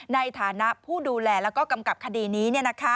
ในฐานะผู้ดูแลแล้วก็กำกับคดีนี้